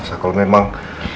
maaf kalau memang